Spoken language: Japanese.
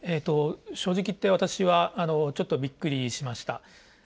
正直言って私はちょっとびっくりしました。